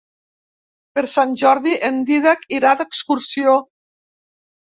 Per Sant Jordi en Dídac irà d'excursió.